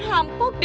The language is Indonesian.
apa yang terjadi